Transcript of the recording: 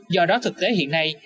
do đó thực tế hiện nay